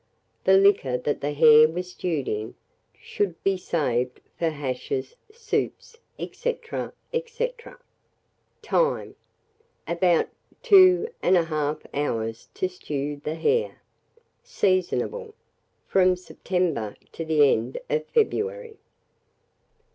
The liquor that the hare was stewed in, should be saved for hashes, soups, &c. &c. Time. About 21/2 hours to stew the hare. Seasonable from September to the end of February.